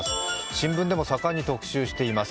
新聞でも盛んに特集しています。